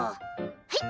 はい！